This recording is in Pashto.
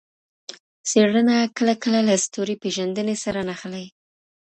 څېړنه کله کله له ستوري پېژندنې سره نښلي.